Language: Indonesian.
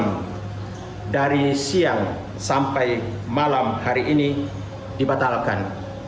yang dari siang sampai malam hari ini dibatalkan